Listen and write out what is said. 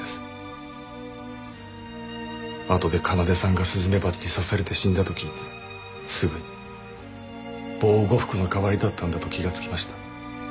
あとで奏さんがスズメバチに刺されて死んだと聞いてすぐに防護服の代わりだったんだと気がつきました。